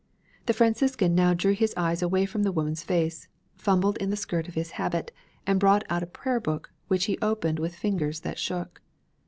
The Franciscan now drew his eyes away from the woman's face, fumbled in the skirt of his habit, and brought out a prayer book which he opened with fingers that shook.